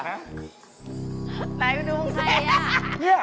ไหนดูใครน่ะ